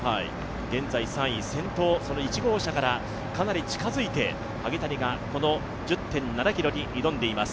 現在３位、先頭、その１号車からかなり近づいて萩谷が１０．７ｋｍに挑んでいます。